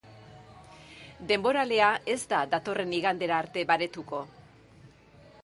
Denboralea ez da datorren igandera arte baretuko.